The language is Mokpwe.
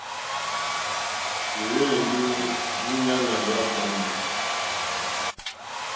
Ì hwélì ndí múɲáná wá ɡbwǎmù.